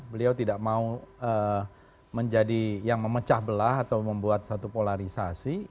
beliau tidak mau menjadi yang memecah belah atau membuat satu polarisasi